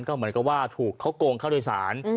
ก็เหมือนกับว่าถูกเขาโกงค่าโดยสาร